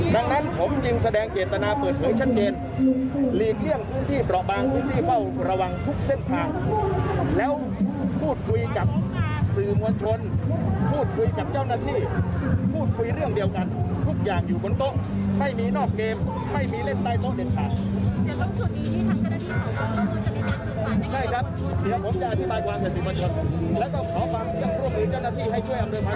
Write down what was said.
ต้องมีทุกอย่างอยู่บนต้นเมืองไม่มีนอกเกมไม่มีเล่นใต้โต๊ะเด็ดขาด